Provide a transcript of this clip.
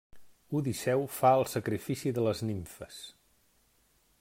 Odisseu fa el sacrifici de les Nimfes.